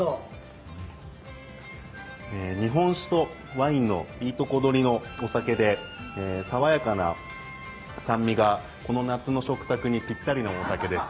日本酒とワインのいいとこどりのお酒で、さわやかな酸味が、この夏の食卓にぴったりのお酒です。